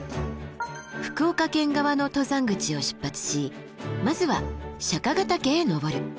福岡県側の登山口を出発しまずは釈ヶ岳へ登る。